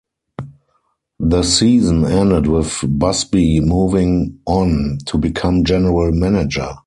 The season ended with Busby moving on to become General Manager.